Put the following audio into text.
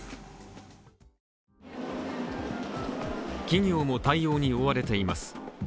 企業も対応に追われています。